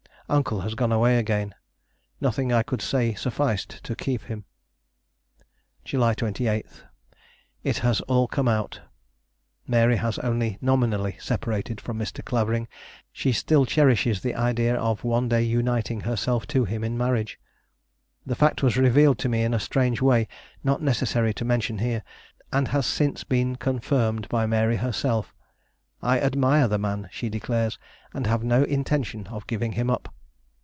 "Uncle has gone away again. Nothing I could say sufficed to keep him. "July 28. It has all come out. Mary has only nominally separated from Mr. Clavering; she still cherishes the idea of one day uniting herself to him in marriage. The fact was revealed to me in a strange way not necessary to mention here; and has since been confirmed by Mary herself. 'I admire the man,' she declares, 'and have no intention of giving him up.